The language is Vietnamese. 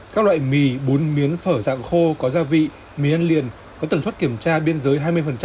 các loại mì bún miến phở dạng khô có gia vị mì ăn liền có tần suất kiểm tra biên giới hai mươi